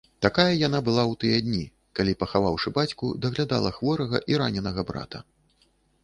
Такая яна была ў тыя дні, калі, пахаваўшы бацьку, даглядала хворага і раненага брата.